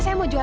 saya mau jual